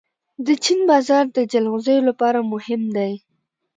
د چین بازار د جلغوزیو لپاره مهم دی.